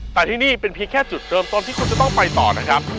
แต่ที่นี่เป็นเพียงแค่จุดเริ่มต้นที่คุณจะต้องไปต่อนะครับ